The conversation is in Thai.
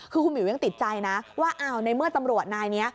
คือคุณหิวยังติดใจนะว่าอ้าวในเมื่อตำรวจนายนี้